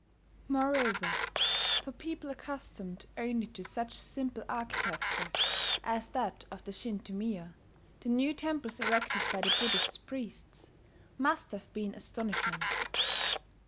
Moreover, for people accustomed only to such simple architecture as that of the Shinto miya, the new temples erected by the Buddhist priests must have been astonishments.